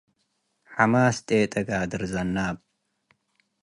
ሐማስ ጤጤ - ጋድር ዘናብ